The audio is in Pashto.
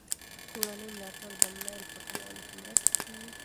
کورني ملاتړ د میل په کمولو کې مرسته کوي.